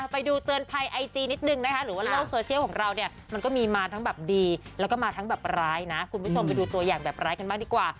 ไปดูเตือนภัยไอจีนิดนึงนะคะหรือว่าโลกโซเชียลของเราเนี่ยมันก็มีมาทั้งแบบดีแล้วก็มาทั้งแบบร้ายนะคุณผู้ชมไปดูตัวอย่างแบบร้ายกันบ้างดีกว่า